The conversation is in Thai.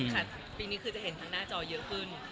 ปีนี้คือจะเห็นทางหน้าจอเยอะขึ้น